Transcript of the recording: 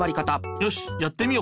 よしやってみよ。